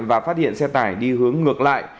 và phát hiện xe tải đi hướng ngược lại